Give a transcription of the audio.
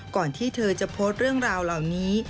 ก่อนที่เธอจะโพสต์เรื่องราวเหล่านี้